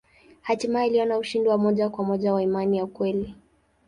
Hatimaye aliona ushindi wa moja kwa moja wa imani ya kweli.